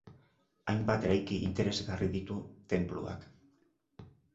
Hainbat eraikin interesgarri ditu tenpluak.